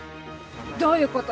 どういうこと？